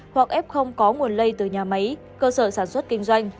hoặc f không có nguồn lây từ nhà máy cơ sở sản xuất kinh doanh